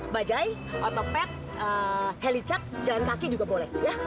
bajai otopad helicak jalan kaki juga boleh ya